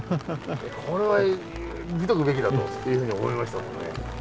これは見とくべきだというふうに思いましたもんね。